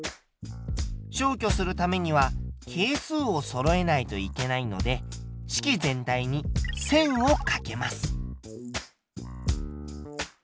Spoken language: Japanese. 消去するためには係数をそろえないといけないので式全体に１０００をかけます。